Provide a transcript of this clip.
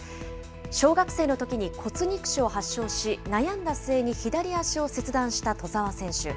小学生のときに骨肉腫を発症し、悩んだ末に左足を切断した兎澤選手。